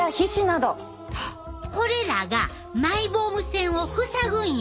これらがマイボーム腺を塞ぐんや！